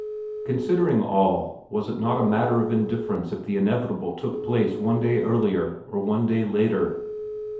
Considering all, was it not a matter of indifference if the inevitable took place one day earlier or one day later?